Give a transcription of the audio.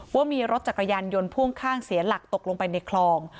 ว่ามีรถจักรยานยนต์พ่วงข้างเสียหลักตกลงไปในคลอง